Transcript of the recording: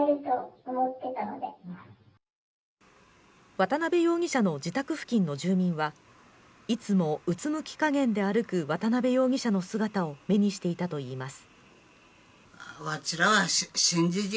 渡邉容疑者の自宅付近の住民は、いつもうつむき加減で歩く渡邉容疑者の姿を目にしていたといいます。